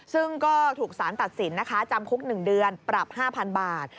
ซึ่งก็ถูกสารตัดสินนะคะจำคุก๑เดือนปรับ๕๐๐๐บาท